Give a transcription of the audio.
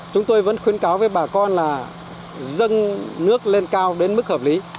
chúng tôi vẫn khuyến cáo với bà con là dâng nước lên cao đến mức hợp lý